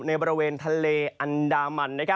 ในบริเวณทะเลอันดามัน